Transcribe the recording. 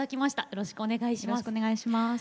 よろしくお願いします。